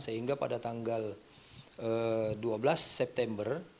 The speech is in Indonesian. sehingga pada tanggal dua belas september